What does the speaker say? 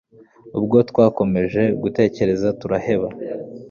ubwo twakomeje gutegereza turaheba